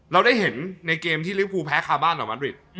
เราได้เห็นในเกมที่ลิฟภูมิแพ้คาบานหรือมัดริส